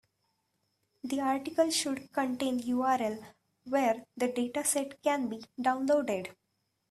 The article should contain URL where the dataset can be downloaded.